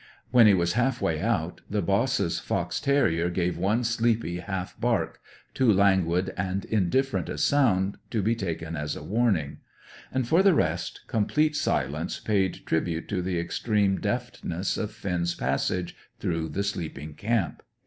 When he was half way out, the boss's fox terrier gave one sleepy half bark, too languid and indifferent a sound to be taken as a warning; and for the rest, complete silence paid tribute to the extreme deftness of Finn's passage through the sleeping camp.